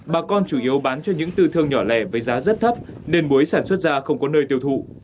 bà con chủ yếu bán cho những tư thương nhỏ lẻ với giá rất thấp nên muối sản xuất ra không có nơi tiêu thụ